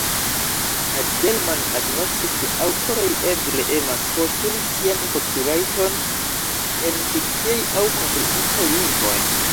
Adelman agnoskis ke aŭtoroj eble emas postuli sian kopirajton en fikciaj aŭ konstruitaj lingvoj